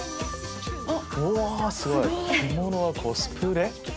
うわすごい「着物はコスプレ？」。